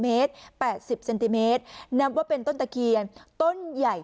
เมตร๘๐เซนติเมตรนับว่าเป็นต้นตะเคียนต้นใหญ่